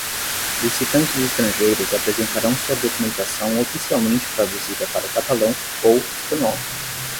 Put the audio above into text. Licitantes estrangeiros apresentarão sua documentação oficialmente traduzida para o catalão ou espanhol.